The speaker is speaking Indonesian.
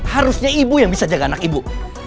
harusnya ibu yang bisa jaga anak ibu